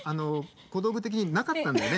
小道具的になかったんだよね